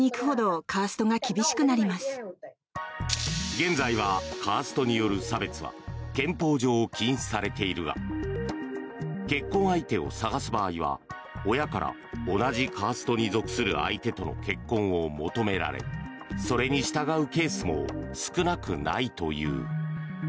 現在はカーストによる差別は憲法上、禁止されているが結婚相手を探す場合は親から同じカーストに属する相手との結婚を求められそれに従うケースも少なくないという。